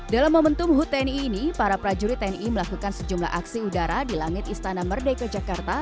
dalam momentum hut tni ini para prajurit tni melakukan sejumlah aksi udara di langit istana merdeka jakarta